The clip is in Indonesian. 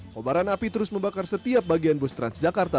kobaran api terus membakar setiap bagian bus transjakarta